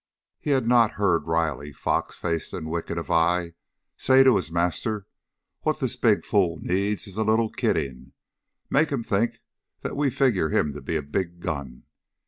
He had not heard Riley, fox faced and wicked of eye, say to his master, "What this big fool needs is a little kidding. Make him think that we figure him to be a big gun."